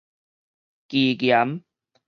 奇岩